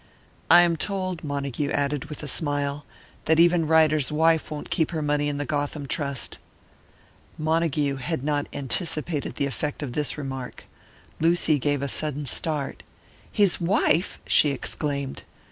"I am told," Montague added, with a smile, "that even Ryder's wife won't keep her money in the Gotham Trust." Montague had not anticipated the effect of this remark. Lucy gave a sudden start. "His wife!" she exclaimed.